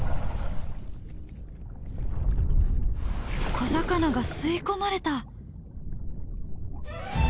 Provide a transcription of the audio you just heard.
小魚が吸い込まれた！